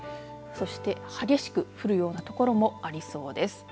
そして激しく降るようなところもありそうです。